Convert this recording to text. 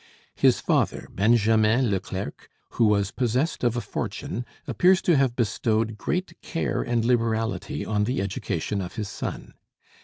His father, Benjamin le Clerc, who was possessed of a fortune, appears to have bestowed great care and liberality on the education of his son.